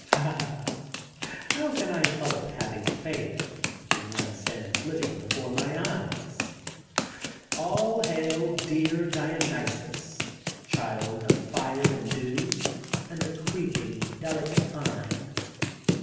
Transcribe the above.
' Ah, how can I help having faith when one stands living before my eyes ? All hail, dear Dionysus ! child of fire and dew, and the creeping, delicate vine